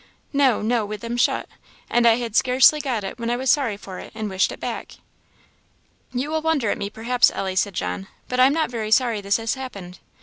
"No, no, with them shut. And I had scarcely got it when I was sorry for it, and wished it back." "You will wonder at me, perhaps, Ellie," said John, "but I am not very sorry this has happened.